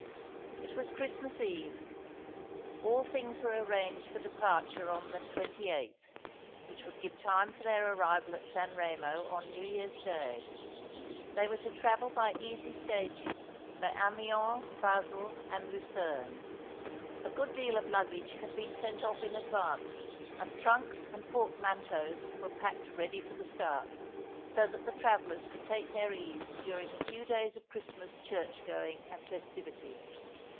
It was Christmas Eve. All things were arranged for departure on the 28th, which would give time for their arrival at San Pemo on New Year's Day. They were to travel by easy stages, by Amiens, Basle^ and Lucerne. A 2o8 All along the River, good deal of luggage had been sent oflf in advance, and trunks and portmanteaux were packed ready for the start ; so that the travellers could take their ease during the few days of Christroas church going and festivity.